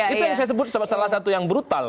itu yang saya sebut salah satu yang brutal